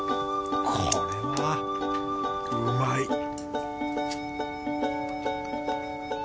これはうまい